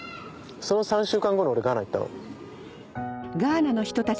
その３週間後に俺ガーナ行ったの。